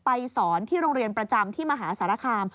สอนที่โรงเรียนประจำที่มหาสารคาม